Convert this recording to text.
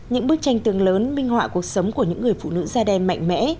những bức tranh tường lớn minh họa cuộc sống của những người phụ nữ da đen mạnh mẽ